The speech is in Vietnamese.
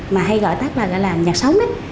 mà hay gọi tác là gọi là nhạc sống đấy